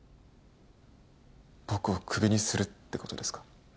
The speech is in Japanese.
僕をクビにするってことですか？